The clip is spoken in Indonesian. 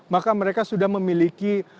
maka mereka sudah memiliki